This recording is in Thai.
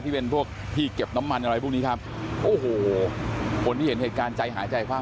ที่เป็นพวกที่เก็บน้ำมันอะไรพวกนี้ครับโอ้โหคนที่เห็นเหตุการณ์ใจหายใจความ